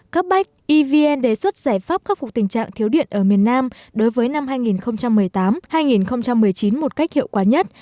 cấp bách evn đề xuất giải pháp khắc phục tình trạng thiếu điện ở miền nam đối với năm hai nghìn một mươi tám hai nghìn một mươi chín một cách hiệu quả nhất